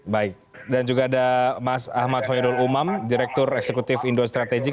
baik dan juga ada mas ahmad hoyrul umam direktur eksekutif indo strategik